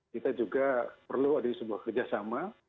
kita juga perlu ada sebuah kerjasama